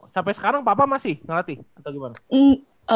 sampai sekarang papa masih ngelatih atau gimana